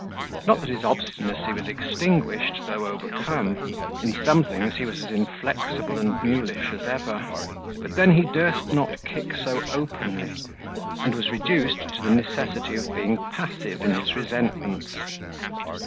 Not that his obstinacy was extinguished, though overcome. In some things he was as inflexible and mulish as ever; but then he durst not kick so openly, and was reduced to the necessity of being passive in his resentments.